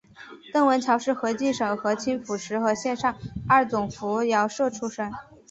邓文乔是河静省河清府石河县上二总拂挠社出生。